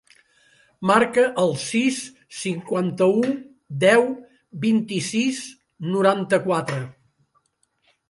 Marca el sis, cinquanta-u, deu, vint-i-sis, noranta-quatre.